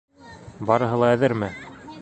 Барыһы ла әҙерме?